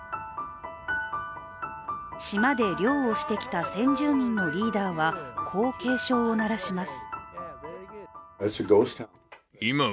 島で漁をしてきた先住民のリーダーはこう警鐘を鳴らします。